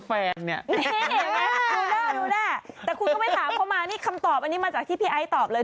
ดูแน่แต่คุณก็ไม่ถามเขามานี่คำตอบอันนี้มาจากที่พี่ไอซ์ตอบเลย